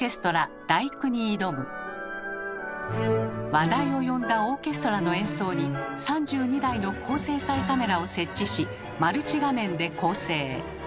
話題を呼んだオーケストラの演奏に３２台の高精細カメラを設置しマルチ画面で構成。